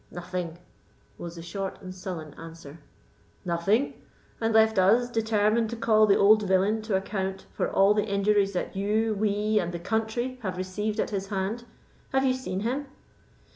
"Nothing!" was the short and sullen answer. "Nothing! and left us, determined to call the old villain to account for all the injuries that you, we, and the country have received at his hand? Have you seen him?"